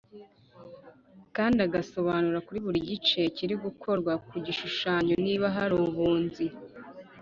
kandi agasobanura buri gice kiri gukorwa ku gishushanyo Niba hari ubunzi